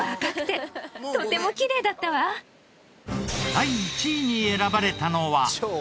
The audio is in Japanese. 第１位に選ばれたのは？